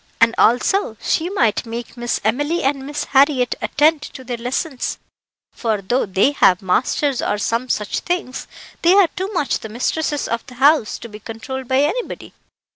And, also, she might make Miss Emily and Miss Harriett attend to their lessons, for, though they have masters or some such things, they are too much the mistresses of the house to be controlled by anybody."